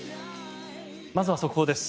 まずは速報です。